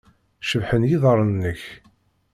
Cebḥen yiḍarren-nnek.